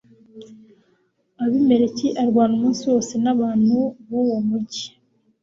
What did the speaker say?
abimeleki arwana umunsi wose n'abantu b'uwo mugi